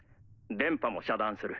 電波も遮断する。